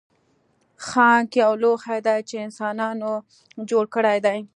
ښانک یو لوښی دی چې انسانانو جوړ کړی دی